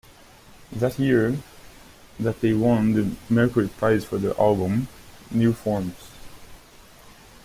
That year they won the Mercury Prize for their album "New Forms".